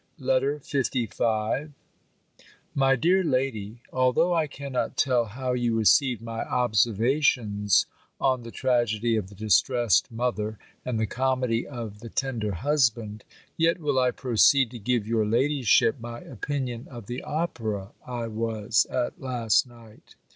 LETTER LV My Dear Lady, Although I cannot tell how you received my observations on the tragedy of The Distressed Mother, and the comedy of The Tender Husband, yet will I proceed to give your ladyship my opinion of the opera I was at last night.